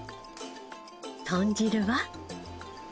豚汁は？